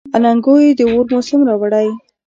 اننګو یې د اور موسم راوړی.